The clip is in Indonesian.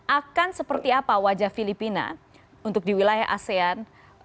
akan seperti apa wajah filipina untuk di wilayah asean